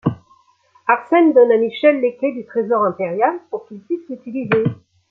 Arsène donne à Michel les clés du trésor impérial pour qu'il puisse l'utiliser.